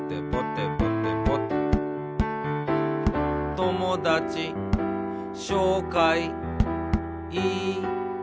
「ともだちしょうかいいたします」